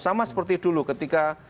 sama seperti dulu ketika